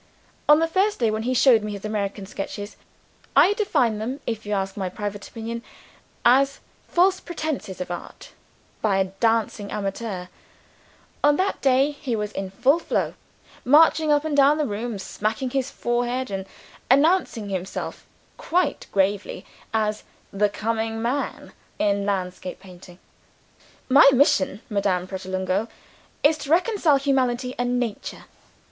On the first day when he showed me his American sketches (I define them, if you ask my private opinion, as false pretenses of Art, by a dashing amateur) on that day, he was in full flow; marching up and down the room, smacking his forehead, and announcing himself quite gravely as "the coming man" in landscape painting. "My mission, Madame Pratolungo, is to reconcile Humanity and Nature.